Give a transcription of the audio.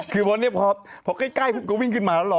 คือเพราะว่านี่พอใกล้ก็วิ่งขึ้นมาแล้วหรอ